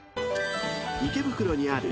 ［池袋にある］